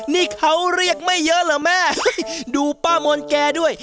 นี่เขาเรียกไม่เยอะเหรอแม่ดูป้ามนแกด้วย